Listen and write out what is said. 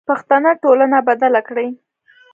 پښتنه ټولنه بدله کړئ.